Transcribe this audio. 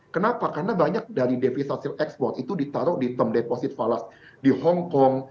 kenapa karena banyak dari devisa hasil ekspor itu ditaruh di term deposit falas di hongkong